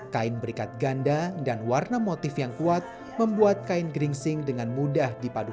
kain berikat ganda dan warna motif yang kuat membuat kain geringsing dengan mudah dipadukan